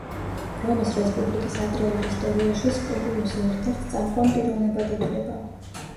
რომის რესპუბლიკის ადრეულ ისტორიაში სპურიუსი ერთ-ერთ წამყვან პიროვნებად ითვლება.